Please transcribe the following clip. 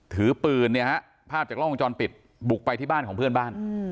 ถือปืนเนี่ยฮะภาพจากล้องวงจรปิดบุกไปที่บ้านของเพื่อนบ้าน